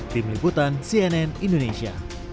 tim liputan cnn indonesia